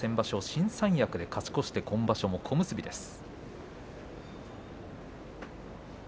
新三役で勝ち越して今場所の小結です。